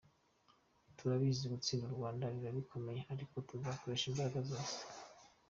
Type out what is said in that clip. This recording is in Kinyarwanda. Turabizi gutsinda u Rwanda biba bikomeye ariko tuzakoresha imbaraga zose.